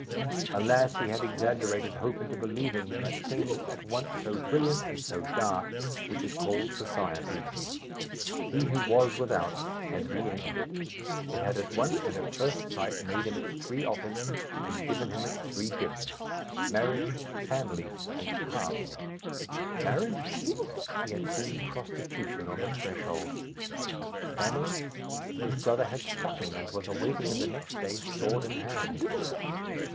Alas! he had exaggerated hope into believing in that thing at once so brilliant and so dark which is called Society. He who was without had re entered it. It had at once, and at first sight, made him its three offers, and given him its three gifts marriage, family, and caste. Marriage? He had seen prostitution on the threshold. Family? His brother had struck him, and was awaiting him the next day, sword in hand.